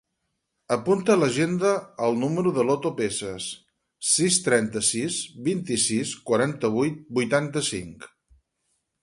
Apunta a l'agenda el número de l'Oto Peces: sis, trenta-sis, vint-i-sis, quaranta-vuit, vuitanta-cinc.